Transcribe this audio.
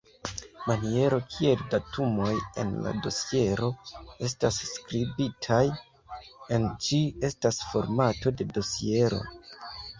Maniero kiel datumoj en la dosiero estas skribitaj en ĝi estas formato de dosiero.